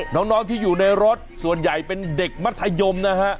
น้องที่อยู่ในรถส่วนใหญ่เป็นเด็กมัธยมนะฮะ